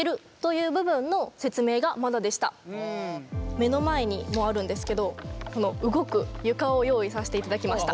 目の前にもうあるんですけどこの動く床を用意させていただきました。